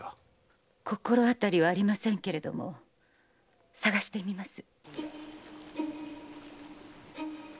心当たりはありませんけれども探してみます。